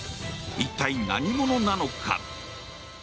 一体、何者なのか？